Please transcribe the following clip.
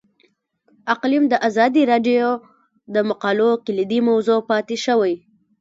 اقلیم د ازادي راډیو د مقالو کلیدي موضوع پاتې شوی.